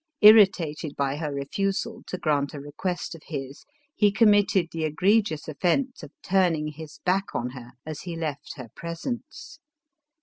Irritated by her refusal to grant a request of his, he committed the egregious offence of turning his back on her as he left her presence.